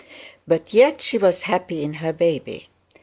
But yet she was happy in her baby.